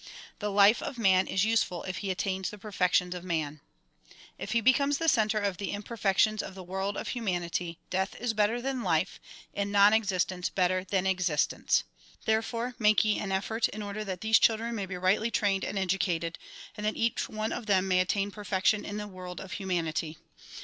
The life of man is use ful if he attains the perfections of man. If he becomes the center of the imperfections of the world of humanity, death is better than life, and non existence better than existence. Therefore make ye an effort in order that these children may be rightly trained and educated and that each one of them may attain perfection in the world of humanity.